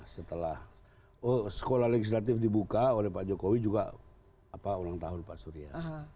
setelah sekolah legislatif dibuka oleh pak jokowi juga ulang tahun pak surya